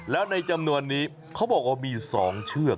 แล้วในจำนวนนี้เขาบอกว่ามี๒เชือก